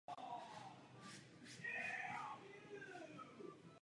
Rotunda je v dobrém stavu.